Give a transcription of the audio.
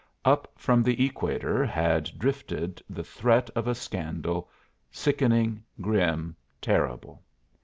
Up from the equator had drifted the threat of a scandal, sickening, grim, terrible.